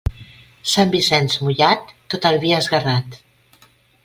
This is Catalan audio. Sant Vicenç mullat, tot el vi esguerrat.